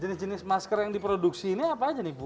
jenis jenis masker yang diproduksi ini apa aja nih bu